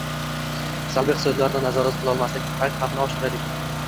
Salbiy hissiyotlarini nazorat qilolmaslik infarkt xavfini oshirar ekan.